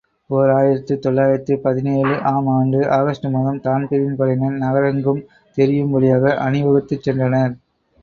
ஓர் ஆயிரத்து தொள்ளாயிரத்து பதினேழு ஆம் ஆண்டு ஆகஸ்டு மாதம், தான்பிரீன் படையினர் நகரெங்கும் தெரியும்படியாக அணிவகுத்துச் சென்றனர்.